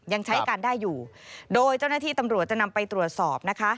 ยังใช้การได้อยู่โดยเจ้าหน้าที่ตำรวจจะนำไปตรวจสอบนะคะ